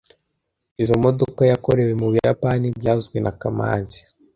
Izoi modoka yakorewe mu Buyapani byavuzwe na kamanzi